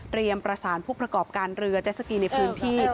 ประสานผู้ประกอบการเรือเจสสกีในพื้นที่